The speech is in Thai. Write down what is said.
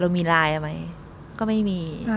เรามีลายอะมั้ยก็ไม่มี